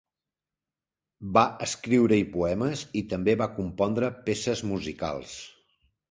Va escriure-hi poemes i també va compondre peces musicals.